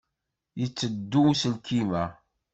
Yetteddu uselkim-a?